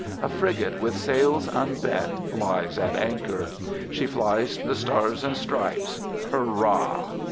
A frigate with sails unbent lies at anchor. She flies the stars and stripes. Hurrah!